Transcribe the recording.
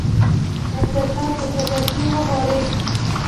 اقتصاد په چټکۍ وغوړېد.